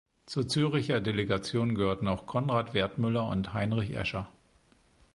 Zur Zürcher Delegation gehörten auch Konrad Werdmüller und Heinrich Escher.